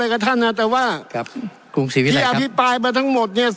อะไรกับท่านน่ะแต่ว่าครับคุณสีวิทยาลัยครับที่อธิบายมาทั้งหมดเนี้ย